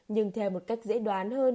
nhưng theo một cách dễ đoán hơn